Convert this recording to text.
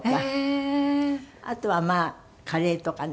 あとはカレーとかね。